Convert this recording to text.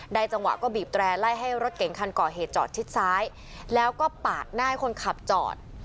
จังหวะก็บีบแตร่ไล่ให้รถเก่งคันก่อเหตุจอดชิดซ้ายแล้วก็ปาดหน้าให้คนขับจอด